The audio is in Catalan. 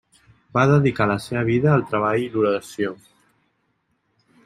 Va dedicar la seva vida al treball i l'oració.